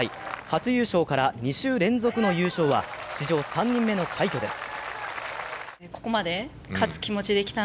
初優勝から２週連続の優勝は史上３人目の快挙です。